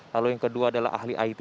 lalu yang kedua adalah ahli it